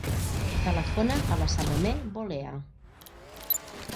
Telefona a la Salomé Bolea.